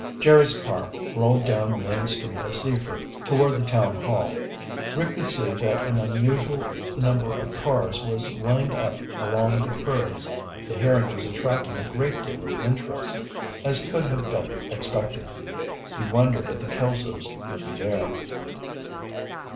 Jerry's car rolled down the main street of Seaford toward the town hall. Rick could see that an unusual number of cars was lined up along the curbs. The hearing was attracting a great deal of interest, as could have been expected. He wondered if the Kelsos would be there.